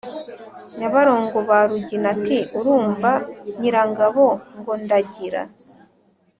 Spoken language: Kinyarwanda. Nyabarongo ba Rugina, ati: Urumva Nyirangabo ngo ndagira?